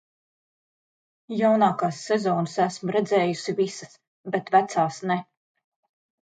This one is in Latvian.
Jaunākās sezonas es esmu redzējusi visas, bet vecās, ne.